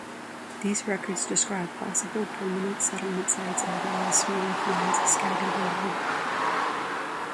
These records describe possible permanent settlement sites as well as small finds scattered around.